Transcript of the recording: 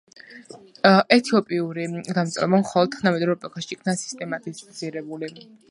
ეთიოპიური დამწერლობა მხოლოდ თანამედროვე ეპოქაში იქნა სისტემატიზირებული.